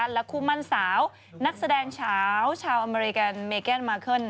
และคู่มั่นสาวนักแสดงสาวชาวอเมริกันเมแกนมาเคิล